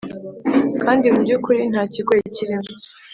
kandi mu byukuri nta kigoye kirimo